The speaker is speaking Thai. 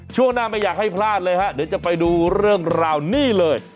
ช่วงหน้าไม่อยากให้พลาดเลยฮะเดี๋ยวจะไปดูเรื่องราวนี่เลย